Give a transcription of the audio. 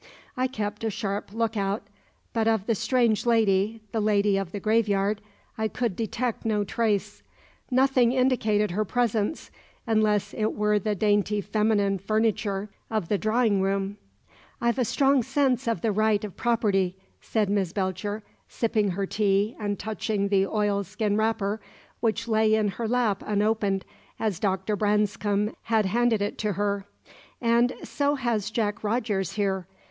I kept a sharp look out, but of the strange lady the lady of the graveyard I could detect no trace. Nothing indicated her presence, unless it were the dainty feminine furniture of the drawing room. "I've a strong sense of the right of property," said Miss Belcher, sipping her tea and touching the oilskin wrapper, which lay in her lap unopened as Captain Branscome had handed it to her; and so has Jack Rogers here.